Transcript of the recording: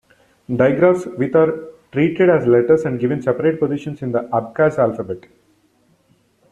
Digraphs with are treated as letters and given separate positions in the Abkhaz alphabet.